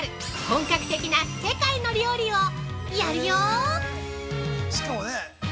本格的な世界の料理をやるよ